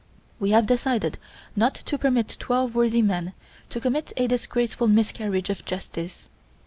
"We have decided not to permit twelve worthy men to commit a disgraceful miscarriage of justice.